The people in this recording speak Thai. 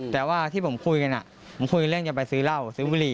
แต่ว่าที่ผมคุยกันผมคุยเรื่องจะไปซื้อเหล้าซื้อบุหรี